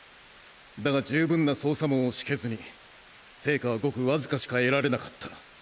だが充分な捜査網を敷けずに成果はごく僅かしか得られなかった！